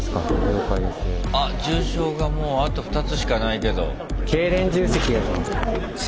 重症がもうあと２つしかないけど。